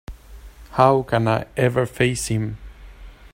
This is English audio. How can I ever face him?